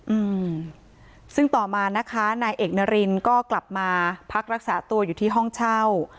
อืมซึ่งต่อมานะคะนายเอกนารินก็กลับมาพักรักษาตัวอยู่ที่ห้องเช่า